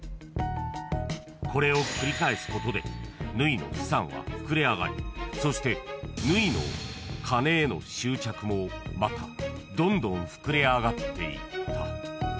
［これを繰り返すことで縫の資産は膨れ上がりそして縫の金への執着もまたどんどん膨れ上がっていった］